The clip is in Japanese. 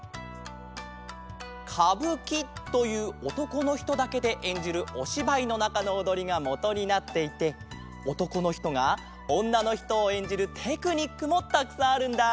かぶきというおとこのひとだけでえんじるおしばいのなかのおどりがもとになっていておとこのひとがおんなのひとをえんじるテクニックもたくさんあるんだ！